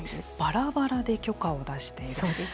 ばらばらで許可を出している。